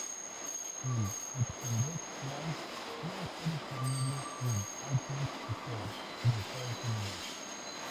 El extended play no está disponible en el iTunes Store de Estados Unidos.